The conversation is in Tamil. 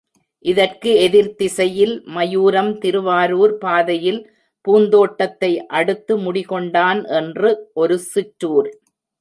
இதற்கு எதிர்த் திசையில் மாயூரம் திருவாரூர் பாதையில் பூந்தோட்டத்தை அடுத்து முடிகொண்டான் என்று ஒரு சிற்றூர்.